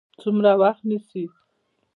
څومره وخت نیسي؟